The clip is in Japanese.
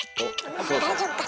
大丈夫か？